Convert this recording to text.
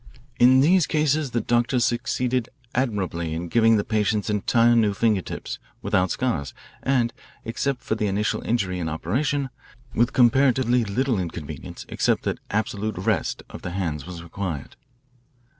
In these cases the doctors succeeded admirably in giving the patients entire new fingertips, without scars, and, except for the initial injury and operation, with comparatively little inconvenience except that absolute rest of the hands was required..